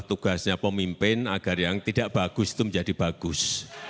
tugasnya pemimpin agar yang tidak bagus itu menjadi bagus